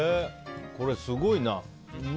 これ、すごいな。